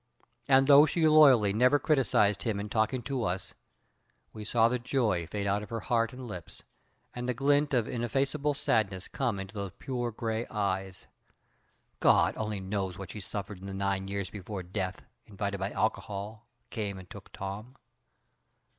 And though she loyally never criticised him in talking to us, we saw the joy fade out of her heart and lips, and the glint of ineffaceable sadness come into those pure gray eyes. God only knows what she suffered in the nine years before death, invited by alcohol, came and took Tom.